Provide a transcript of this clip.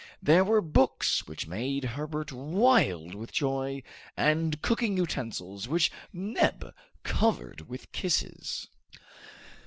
There were books which made Herbert wild with joy, and cooking utensils which Neb covered with kisses!